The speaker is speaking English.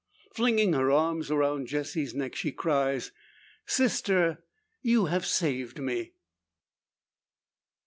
Flinging her arms around Jessie's neck, she cries: "Sister; you have saved me!"